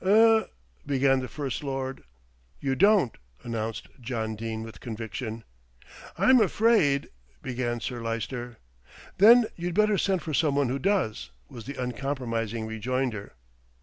"Er " began the First Lord. "You don't," announced John Dene with conviction. "I'm afraid " began Sir Lyster. "Then you'd better send for someone who does," was the uncompromising rejoinder.